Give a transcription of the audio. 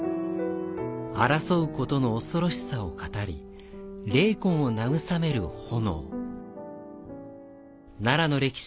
争うことの恐ろしさを語り、霊魂を慰める炎。